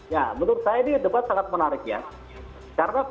ya menurut saya ini debat sangat menarik ya